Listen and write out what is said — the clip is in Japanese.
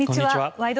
「ワイド！